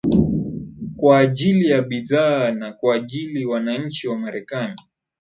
kwa ajili ya bidhaa na kwajili wananchi wa marekani